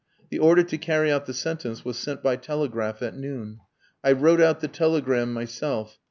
The order to carry out the sentence was sent by telegraph at noon. I wrote out the telegram myself.